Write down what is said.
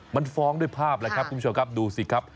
มันฟ้องด้วยภาพแล้วครับคุณผู้ชมครับดูสิครับ